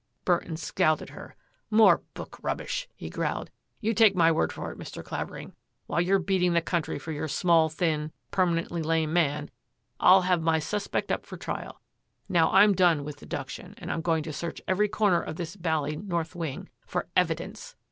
Burton scowled at her. " More book rubbish !" he growled. " You take my word for it, Mr. Clavering, while you're beating the country for your small, thin, permanently lame man, Fll have my suspect up for trial. Now Fm done with de duction and I'm going to search every comer of this baUy north wing for evidence.''